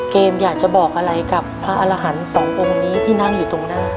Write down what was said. อยากจะบอกอะไรกับพระอรหันต์สององค์นี้ที่นั่งอยู่ตรงหน้า